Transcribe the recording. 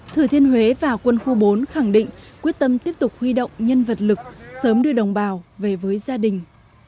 thừa thiên huế và quân khu bốn khẳng định quyết tâm tiếp tục huy động nhân vật lực sớm đưa đồng bào về với gia đình